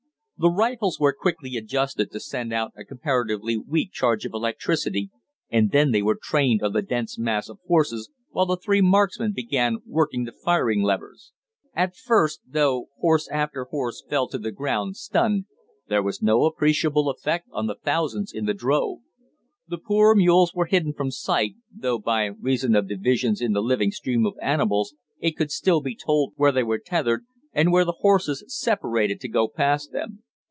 The rifles were quickly adjusted to send out a comparatively weak charge of electricity, and then they were trained on the dense mass of horses, while the three marksmen began working the firing levers. At first, though horse after horse fell to the ground, stunned, there was no appreciable effect on the thousands in the drove. The poor mules were hidden from sight, though by reason of divisions in the living stream of animals it could still be told where they were tethered, and where the horses separated to go past them.